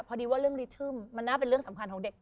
พอดีว่าเรื่องรีทึ่มมันน่าเป็นเรื่องสำคัญของเด็ก